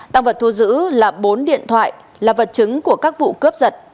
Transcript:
tăng vật thu giữ là bốn điện thoại là vật chứng của các vụ cướp giật